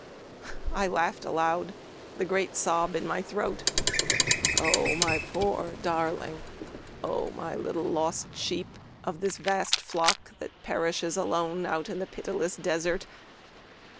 I laughed aloud, the great sob in my throat. O my poor darling, O my little lost sheep Of this vast flock that perishes alone Out in the pitiless desert!